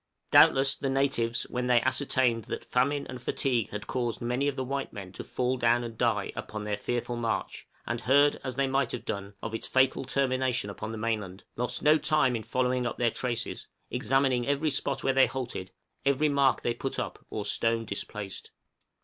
Doubtless the natives, when they ascertained that famine and fatigue had caused many of the white men "to fall down and die" upon their fearful march, and heard, as they might have done, of its fatal termination upon the mainland, lost no time in following up their traces, examining every spot where they halted, every mark they put up, or stone displaced.